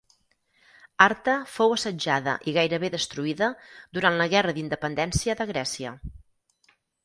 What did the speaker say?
Arta fou assetjada i gairebé destruïda durant la Guerra d'independència de Grècia.